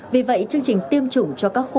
vì vậy chương trình tiêm chủng cho các khu